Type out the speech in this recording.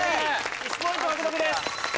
１ポイント獲得です